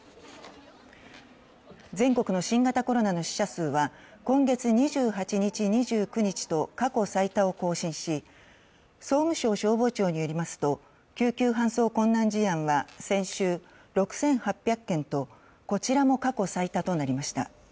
全国の新型コロナの死者数は今月２８日、２９日と過去最多を更新し総務省消防庁によりますと救急搬送困難事案は先週６８００件とこちらも過去最多となりました。